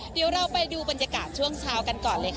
เดี๋ยวเราไปดูบรรยากาศช่วงเช้ากันก่อนเลยค่ะ